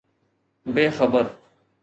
بي خبر